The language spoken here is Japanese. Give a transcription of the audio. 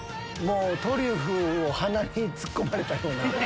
トリュフを鼻に突っ込まれたような。